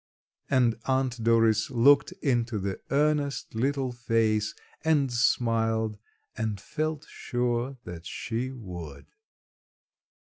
and Aunt Doris looked into the earnest little face and smiled and felt sure that she would.